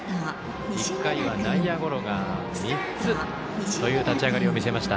１回は内野ゴロを３つという立ち上がりを見せました。